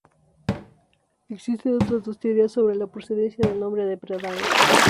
Existen otras dos teorías sobre la procedencia del nombre de Prádanos.